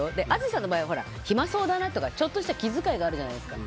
淳さんの場合は暇そうだなとかちょっとした気遣いがあるじゃないですか。